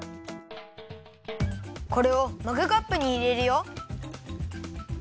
これをマグカップにいれるよ。